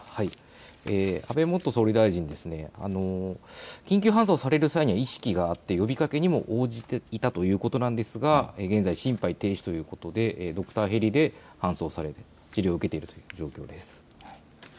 安倍元総理大臣ですね緊急搬送される際には意識があって呼びかけにも応じていたということなんですが現在、心肺停止ということでドクターヘリで搬送され治療を受けているという状況です。